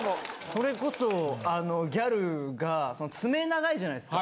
それこそギャルが爪長いじゃないですか。